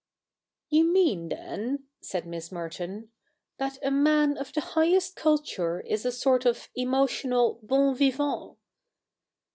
•You mean, then,' said Miss Merton, 'that a man of the highest culture is a sort of emotional bo7i vivajit!